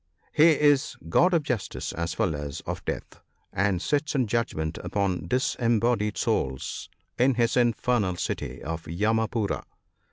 He is God of Justice as well as of Death, and sits in judgment upon disembodied souls in his infernal city of Yamapoora.